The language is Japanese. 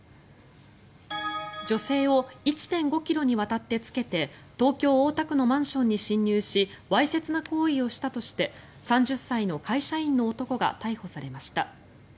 女性を１．５ｋｍにわたってつけて東京・大田区のマンションに侵入しわいせつな行為をしたとして３０歳の会社員の男が逮捕されました。